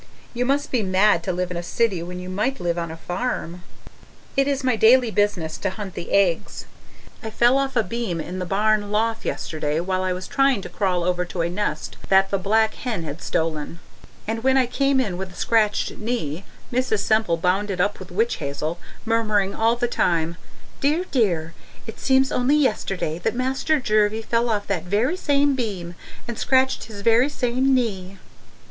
You must be mad to live in a city when you might live on a farm. It is my daily business to hunt the eggs. I fell off a beam in the barn loft yesterday, while I was trying to crawl over to a nest that the black hen has stolen. And when I came in with a scratched knee, Mrs. Semple bound it up with witch hazel, murmuring all the time, 'Dear! Dear! It seems only yesterday that Master Jervie fell off that very same beam and scratched this very same knee.'